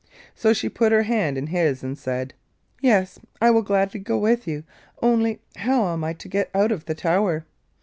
So she put her hand in his and said: 'Yes, I will gladly go with you, only how am I to get down out of the tower?